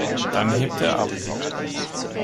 Dann hebt er ab.